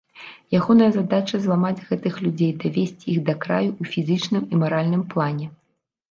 Ягоная задача зламаць гэтых людзей, давесці іх да краю ў фізічным і маральным плане.